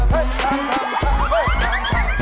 เฮ่ยไปดีกว่า